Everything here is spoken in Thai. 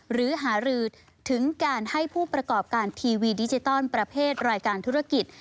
หรือหารือถึงการให้ผู้ประกอบการทีวีดิจิตอลประเภทรายการธุรกิจ